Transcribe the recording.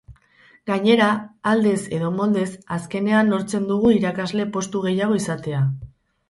Gainera, aldez edo moldez, azkenean lortzen dugu irakasle postu gehiago izatea.